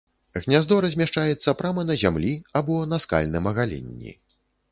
Гняздо размяшчаецца прама на зямлі або на скальным агаленні.